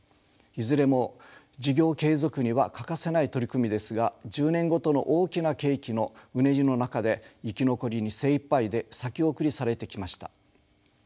いずれも事業継続には欠かせない取り組みですが１０年ごとの大きな景気のうねりの中で生き残りに精いっぱいで先送りされてきました。